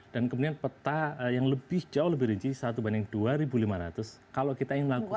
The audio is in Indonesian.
dan kemudian peta yang lebih jauh lebih rinci satu banding dua lima ratus kalau kita ingin melakukan